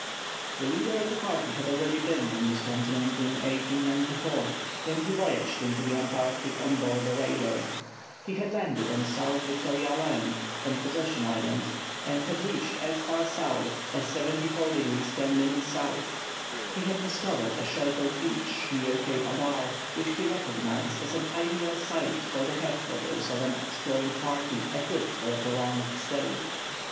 ] The leader of the party had already been on this continent in 1894, when he voyaged into the Antarctic on board a whaler. He had landed on South Victoria Land and Possession Island, and had reached as far south as 74° 10' S. He had discovered a sheltered beach, near Cape Adare, which he recognised as an ideal site for the headquarters of an exploring party equipped for a prolonged stay.